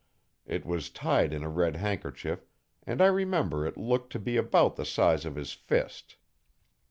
It was tied in a red handkerchief and I remember it looked to be about the size of his fist.